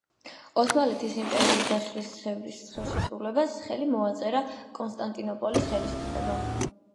ოსმალეთის იმპერიის დაშლის—სევრის ხელშეკრულებას ხელი მოაწერა კონსტანტინოპოლის ხელისუფლებამ.